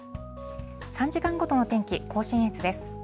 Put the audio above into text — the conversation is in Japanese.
３時間ごとの天気、甲信越です。